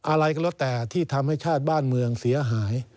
อะไรก็แล้วแต่ที่ทำให้ชาติบ้านเมืองเสียหาย